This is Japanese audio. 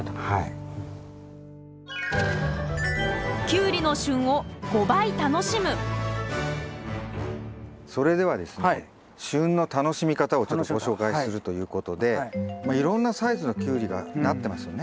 キュウリのそれではですね旬の楽しみ方をちょっとご紹介するということでまあいろんなサイズのキュウリがなってますよね。